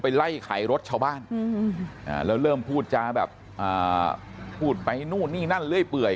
ไล่ไขรถชาวบ้านแล้วเริ่มพูดจาแบบพูดไปนู่นนี่นั่นเรื่อยเปื่อย